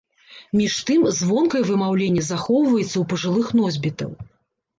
Між тым, звонкае вымаўленне захоўваецца ў пажылых носьбітаў.